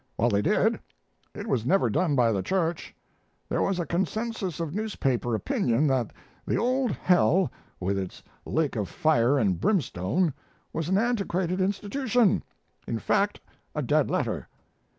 Well, they did it was never done by the church. There was a consensus of newspaper opinion that the old hell with its lake of fire and brimstone was an antiquated institution; in fact a dead letter."